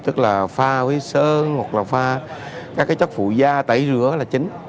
tức là pha với sơn hoặc là pha các cái chất phụ da tẩy rửa là chính